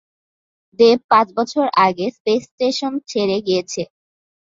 দেব পাঁচ বছর আগে স্পেস স্টেশন ছেড়ে গিয়েছে।